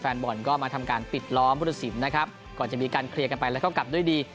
แฟนบอลก็มาทำการปิดล้อมพุทธศิลป์นะครับก่อนจะมีการเคลียร์กันไปแล้วก็กลับด้วยดี